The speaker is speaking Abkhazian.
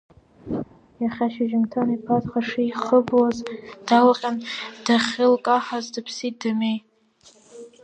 Иахьа шьыжьымҭан иԥацха шихыбуаз, далҟьан дахьылкаҳаз дыԥсит Дамеи…